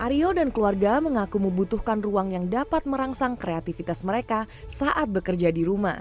aryo dan keluarga mengaku membutuhkan ruang yang dapat merangsang kreativitas mereka saat bekerja di rumah